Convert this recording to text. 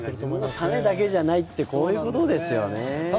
自分のためだけじゃないってこういうことですよね。